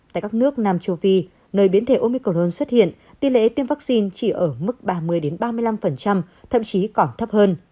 tại các nước nam châu phi nơi biến thể omicron xuất hiện tỷ lệ tiêm vaccine chỉ ở mức ba mươi ba mươi năm thậm chí còn thấp hơn